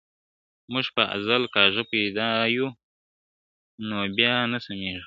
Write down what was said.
موږ په ازل کاږه پیدا یو نو بیا نه سمیږو `